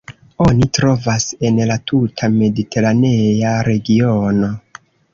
Oni trovas en la tuta mediteranea regiono.